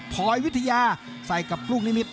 พลอยวิทยาใส่กับกล้วงนิมิฟน์